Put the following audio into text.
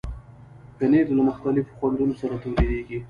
پنېر له مختلفو خوندونو سره تولیدېږي.